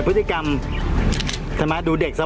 เป็นปุรูซ